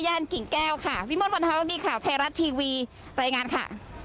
กิ่งแก้วค่ะวิมลวันธรรมดีข่าวไทยรัฐทีวีรายงานค่ะ